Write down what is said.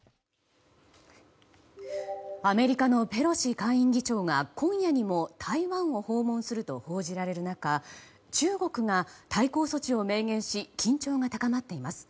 アメリカのペロシ下院議長が今夜にも台湾を訪問すると報じられる中中国が対抗措置を明言し緊張が高まっています。